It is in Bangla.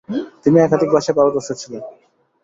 তিনি একাধিক ভাষায় পারদর্শী ছিলেন।